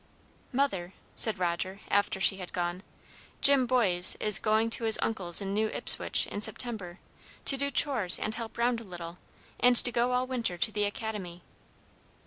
"Mother," said Roger, after she had gone, "Jim Boies is going to his uncle's, in New Ipswich, in September, to do chores and help round a little, and to go all winter to the academy."